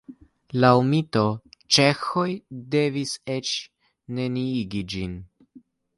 Laŭ mito ĉeĥoj devis eĉ neniigi ĝin.